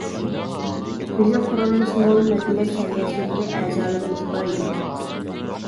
بىلىم قۇرۇلمىسى مول، مەدەنىيەت سەۋىيەسى يۇقىرى ئەزالىرىمىز بار ئىدى.